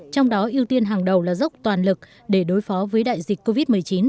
trong đó ưu tiên hàng đầu là dốc toàn lực để đối phó với đại dịch covid một mươi chín